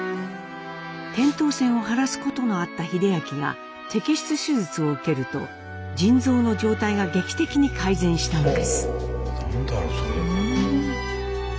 扁桃腺を腫らすことのあった英明が摘出手術を受けると腎臓の状態が劇的に改善したのです。